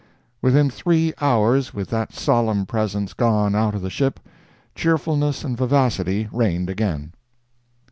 Within three hours, with that solemn presence gone out of the ship, cheerfulness and vivacity reigned again.